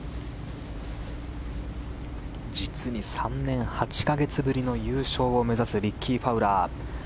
実に３年８か月ぶりの優勝を目指すリッキー・ファウラー。